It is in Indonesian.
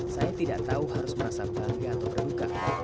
saya tidak tahu harus merasa bangga atau berduka